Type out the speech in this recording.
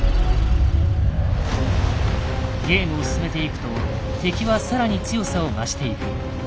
ゲームを進めていくと敵は更に強さを増していく。